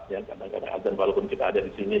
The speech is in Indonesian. ya kadang kadang azan walaupun kita ada di sini